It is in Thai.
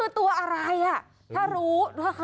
ตัวอะไรยึก